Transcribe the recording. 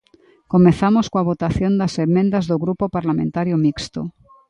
Comezamos coa votación das emendas do Grupo Parlamentario Mixto.